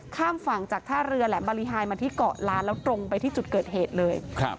ข้ามฝั่งจากท่าเรือแหลมบริหายมาที่เกาะล้านแล้วตรงไปที่จุดเกิดเหตุเลย